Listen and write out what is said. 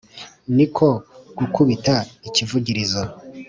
ni ko gukubita ikivugirizo,